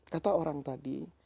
kata orang tadi